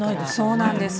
そうなんです。